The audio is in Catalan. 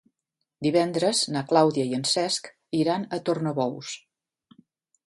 Divendres na Clàudia i en Cesc iran a Tornabous.